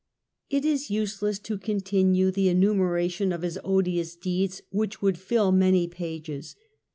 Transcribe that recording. It is useless to continue the enumeration of his odious deeds, which would fill many pages.